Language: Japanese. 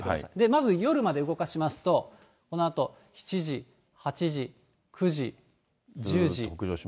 まず夜まで動かしますと、このあと７時、８時、９時、１０時、１１時、０時。